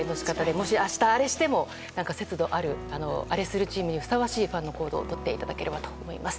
もし、明日アレしても節度あるアレするチームにふさわしいファンの行動をとっていただければと思います。